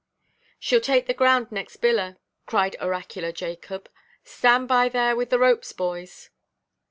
"Sheʼll take the ground next biller," cried the oracular Jacob; "stand by there with the ropes, boys."